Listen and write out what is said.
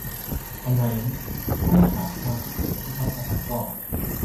ทำไมไม่ถามความคิดเห็นผู้พักอาศัยก่อน